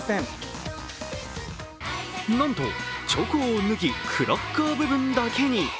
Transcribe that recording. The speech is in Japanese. なんとチョコを脱ぎ、クラッカー部分だけに。